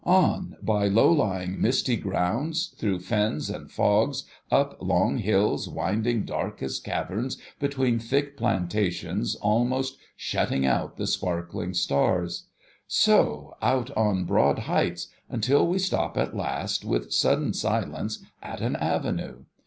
On, by low lying, misty grounds, through fens and fogs, up long hills, winding dark as caverns between thick plantations, almost shutting out the sparkling stars ; so, out on broad heights, until we stop at last, with sudden silence, at an avenue.